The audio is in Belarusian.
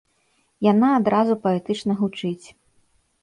Яна адразу паэтычна гучыць.